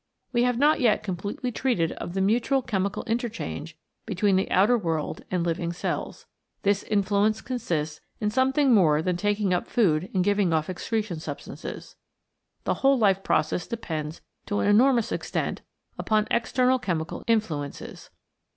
We have not yet completely treated of the mutual chemical interchange between the outer world and living cells. This influence consists in something more than in taking up food and giving off excretion substances. The whole life process depends to an enormous extent upon external chemical influences.